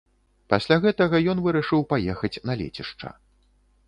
Пасля гэтага ён вырашыў паехаць на лецішча.